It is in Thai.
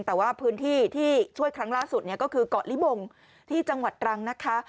แต่ว่าพื้นที่ที่ช่วยครั้งล่าสุดเนี่ยก็คือเกาะลิบงที่จังหวัดตรังนะคะ